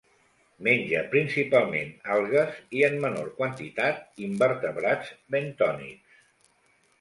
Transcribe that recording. Menja principalment algues i, en menor quantitat, invertebrats bentònics.